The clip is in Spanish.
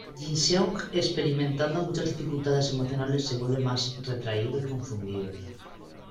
Jin-Seong, experimentando muchas dificultades emocionales, se vuelve más retraído y confundido.